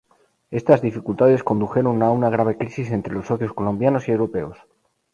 Estas dificultades condujeron a una grave crisis entre los socios colombianos y europeos.